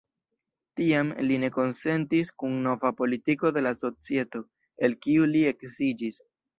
Tiam, li ne konsentis kun nova politiko de la Societo, el kiu li eksiĝis.